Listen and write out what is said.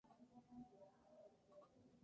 La pasta es compacta, con pequeños ojos dispersos.